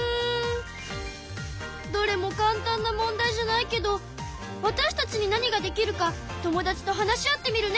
どれもかん単な問題じゃないけどわたしたちに何ができるか友達と話し合ってみるね。